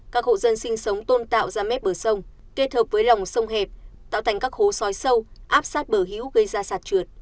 các hộ dân sinh sống tôn tạo ra mép bờ sông kết hợp với lòng sông hẹp tạo thành các hố sói sâu áp sát bờ hữu gây ra sạt trượt